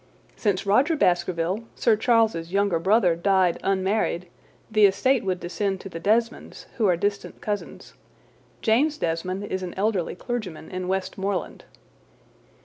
"Since Rodger Baskerville, Sir Charles's younger brother died unmarried, the estate would descend to the Desmonds, who are distant cousins. James Desmond is an elderly clergyman in Westmoreland."